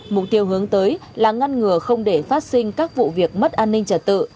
mục tiêu hướng tới là ngăn ngừa không để phát sinh các vụ việc mất an ninh trật tự